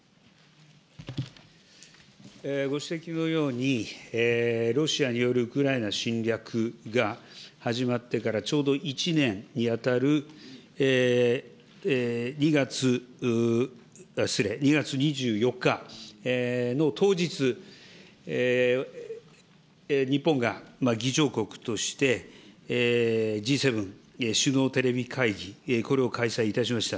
ご指摘のように、ロシアによるウクライナ侵略が始まってからちょうど１年に当たる２月、失礼、２月２４日の当日、日本が議長国として、Ｇ７首脳テレビ会議、これを開催いたしました。